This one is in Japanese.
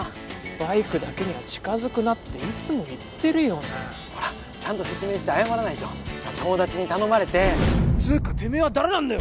バイクだけには近づくなっていつも言ってるよなほらちゃんと説明して謝らないと友達に頼まれてつーかてめぇは誰なんだよ